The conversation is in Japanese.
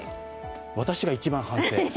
私が一番反省です。